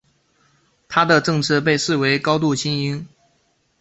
他的政策被视为高度亲英。